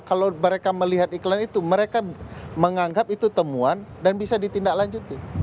kalau mereka melihat iklan itu mereka menganggap itu temuan dan bisa ditindaklanjuti